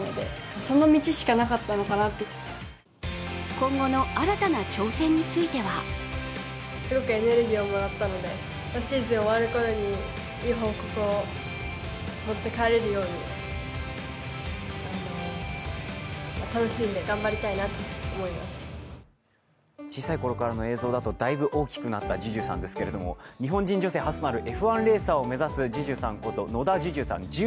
今後の新たな挑戦については小さい頃からの映像だとだいぶ大きくなったＪｕｊｕさんですけど日本人女性初となるＦ１レーサーを目指す野田樹潤さんことＪｕｊｕさんです。